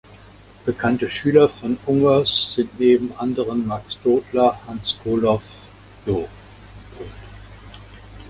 Bekannte Schüler von Ungers sind neben anderen Max Dudler, Hans Kollhoff, Jo.